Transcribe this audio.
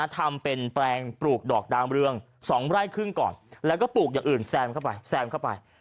ทำเป็นแปลงปลูกดอกดามเรือง๒ไร่ครึ่งก่อนแล้วก็ปลูกอย่างอื่นแซมเข้าไปแซมเข้าไป